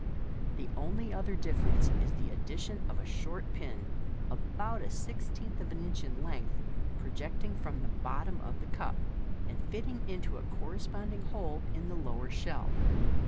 The only other difference is the addition of a short pin, about a sixteenth of an inch in length, projecting from the bottom of the cup, and fitting into a corresponding hole in the lower shell.